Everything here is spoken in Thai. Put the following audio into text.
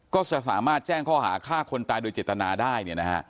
ก็จะสามารถแจ้งข้อหาฆ่าคนตายโดยเจตนาได้เนี่ยนะฮะ